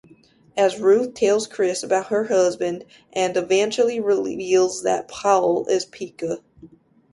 As Ruth tells Chris about her husband and eventually reveals that Paul is Pika.